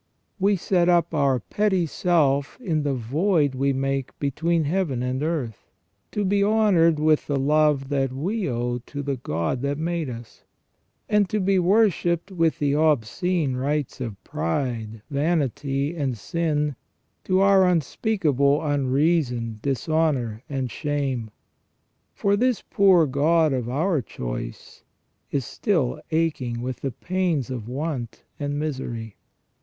We set up 2i8 ON JUSTICE AND MORAL EVIL. our petty self in the void we make between heaven and earth, to be honoured with the love that we owe to the God that made us, and to be worshipped with the obscene rites of pride, vanity, and sin, to our unspeakable unreason, dishonour, and shame ; for this poor god of our choice is still aching with the pains of want and misery.